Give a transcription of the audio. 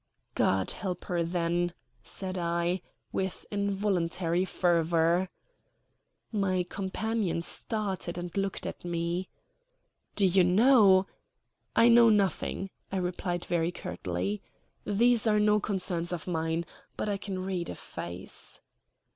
"God help her, then," said I, with involuntary fervor. My companion started and looked at me. "Do you know " "I know nothing," I replied very curtly. "These are no concerns of mine. But I can read a face."